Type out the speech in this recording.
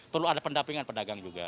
perlu ada pendampingan pedagang juga